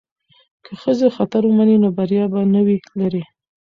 که ښځې خطر ومني نو بریا به نه وي لرې.